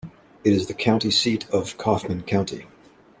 It is the county seat of Kaufman County.